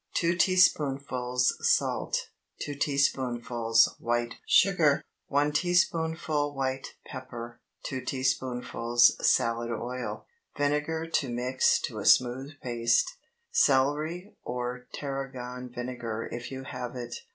2 teaspoonfuls salt. 2 teaspoonfuls white sugar. 1 teaspoonful white pepper. 2 teaspoonfuls salad oil. Vinegar to mix to a smooth paste—celery or Tarragon vinegar if you have it.